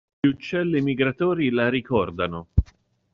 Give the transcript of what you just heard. Gli uccelli migratori la ricordano.